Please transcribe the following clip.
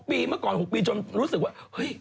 ปีเมื่อก่อน๖ปีจนรู้สึกว่าเฮ้ย